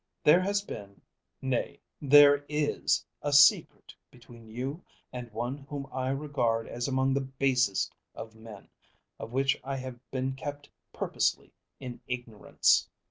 There has been, nay, there is, a secret between you and one whom I regard as among the basest of men, of which I have been kept purposely in ignorance."